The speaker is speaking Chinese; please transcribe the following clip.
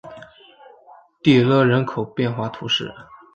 蒂勒人口变化图示